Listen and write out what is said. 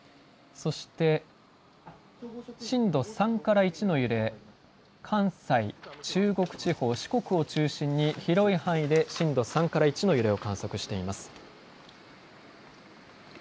そして震度３から１の揺れ、関西、中国地方、四国を中心に広い範囲で震度３から１の揺れを観測しています。